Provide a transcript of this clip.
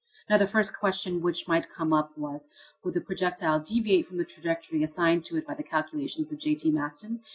Now, the first question which might come up was, would the projectile deviate from the trajectory assigned to it by the calculations of J.T. Maston?